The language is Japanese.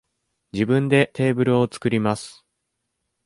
自分でテーブルを作ります。